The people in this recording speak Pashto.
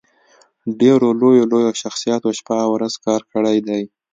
ډېرو لويو لويو شخصياتو شپه او ورځ کار کړی دی